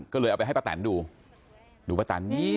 ก็เลยเอาไปให้ประแตนดูดูประแตนยิ้ม